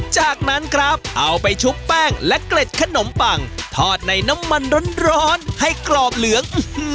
จากนั้นครับเอาไปชุบแป้งและเกล็ดขนมปังทอดในน้ำมันร้อนให้กรอบเหลือง